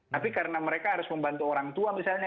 tapi karena mereka harus membantu orang tua misalnya